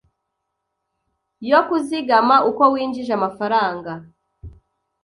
yo kuzigama uko winjije amafaranga